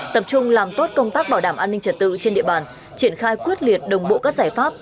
tập trung làm tốt công tác bảo đảm an ninh trật tự trên địa bàn triển khai quyết liệt đồng bộ các giải pháp